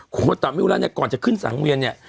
โคตะมิอุระเนี่ยก่อนจะขึ้นสังเวียนเนี่ย